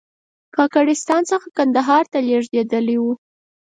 کاکړستان څخه کندهار ته لېږدېدلی و.